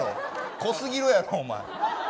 濃すぎるやろ、お前。